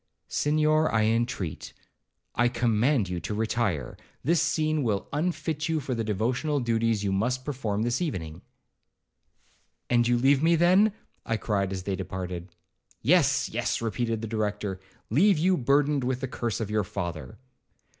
'Senhor, I entreat,—I command you to retire; this scene will unfit you for the devotional duties you must perform this evening.' 'And you leave me then?' I cried as they departed. 'Yes,—yes,'—repeated the Director; 'leave you burdened with the curse of your father.'